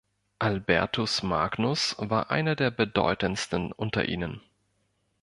Albertus Magnus war einer der bedeutendsten unter ihnen.